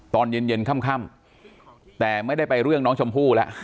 ตอนเย็นค่ำแต่ไม่ได้ไปเรื่องน้องชมพู่แล้ว